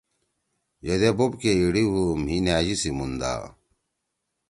یدے بوب کے ایِڑی ہُو مھی نھأژی سی موندا